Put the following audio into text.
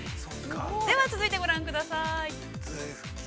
◆では続いてご覧ください。